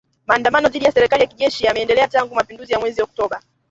Maandamano dhidi ya serikali ya kijeshi yameendelea tangu mapinduzi ya mwezi Oktoba